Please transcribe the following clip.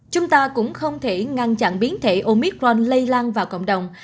chúng ta cũng không thể ngăn chặn biến thể omicron lây lan vào cộng đồng